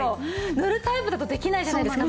塗るタイプだとできないじゃないですか。